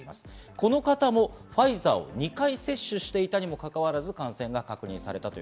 この方もファイザーを２回接種していたにもかかわらず感染が確認されました。